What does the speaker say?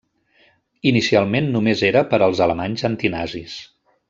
Inicialment només era per als alemanys antinazis.